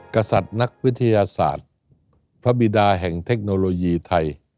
กษัตริย์นักวิทยาศาสตร์พระบิดาแห่งเทคโนโลยีไทย